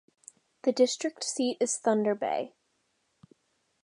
The district seat is Thunder Bay.